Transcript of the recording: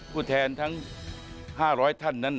ผู้แทนทั้ง๕๐๐ท่านนั้น